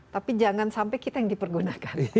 tapi jangan sampai kita yang dipergunakan